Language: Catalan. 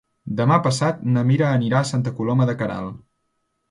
Demà passat na Mira anirà a Santa Coloma de Queralt.